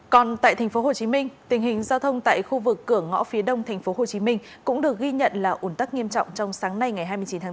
còn tại tp hcm tình hình giao thông tại khu vực cửa ngõ phía đông tp hcm cũng được ghi nhận là ủn tắc nghiêm trọng trong sáng nay ngày hai mươi chín tháng bốn